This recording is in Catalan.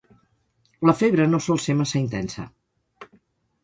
La febre no sol ser massa intensa.